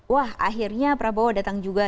wah akhirnya prabowo datang juga